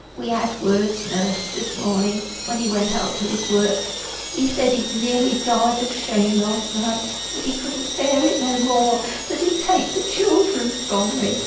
"We had words, Nurse, this morning, when he went out to his work. He said he'd nearly died of shame last night; that he couldn't bear it no more; that he'd take the children from me.